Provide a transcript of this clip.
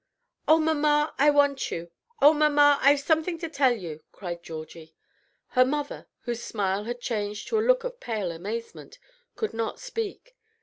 "Oh, mamma! I want you. Oh, mamma! I've something to tell you," cried Georgie. Her mother, whose smile had changed to a look of pale amazement, could not speak.